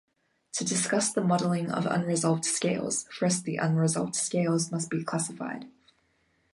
To discuss the modeling of unresolved scales, first the unresolved scales must be classified.